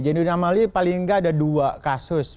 jainuddin amali paling gak ada dua kasus